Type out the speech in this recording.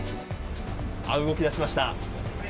動きだしました。